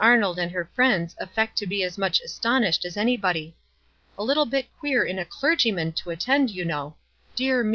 Arnold and her friends affect to be as much astonished as anybody. f A little bit queer in a clergyman to attend, you know. Dear me !